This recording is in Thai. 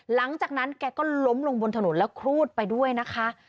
หลังจากนั้นแกก็ล้มลงบนถนนแล้วครูดไปด้วยนะคะ